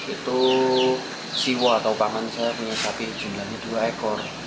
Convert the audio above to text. itu siwo atau pangan saya punya sapi jumlahnya dua ekor